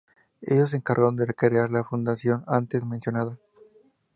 Ellos se encargaron de crear la fundación antes mencionada.